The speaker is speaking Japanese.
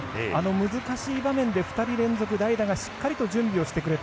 難しい場面で２人連続代打がしっかりと準備をしてくれた。